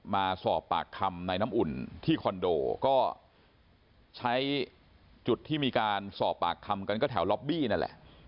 มาสอบปากคำในน้ำอุ่นที่คอนโดก็ใช้จุดที่มีการสอบปากคำกันก็แถวล็อบบี้นั่นแหละ